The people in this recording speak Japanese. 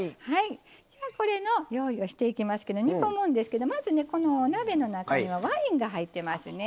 じゃあこれの用意をしていきますけど煮込むんですけどまずねこのお鍋の中にはワインが入ってますね。